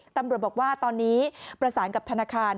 ตำรวจบอกว่าตอนนี้ประสานกับธนาคาร